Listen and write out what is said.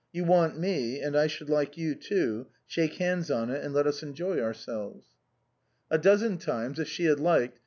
"You want me and I should like you too, shake hands on it and let us enjoy musette's fancies. 261 ourseleves." A dozen times, if she had liked.